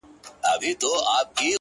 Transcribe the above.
ستا د تن سايه مي په وجود كي ده؛